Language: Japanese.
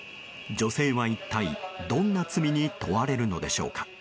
女性は一体どんな罪に問われるのでしょうか。